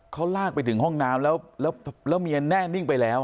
เขาลากไปถึงห้องน้ำแล้วเมียแน่นิ่งไปแล้ว